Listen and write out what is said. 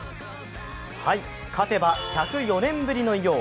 勝てば１０４年ぶりの偉業。